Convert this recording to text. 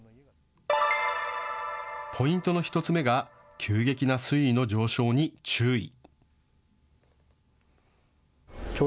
ポイントの１つ目が急激な水位の上昇に注意。